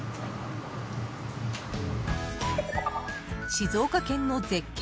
静岡県の絶景